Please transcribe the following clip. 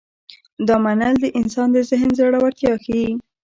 دا منل د انسان د ذهن زړورتیا ښيي.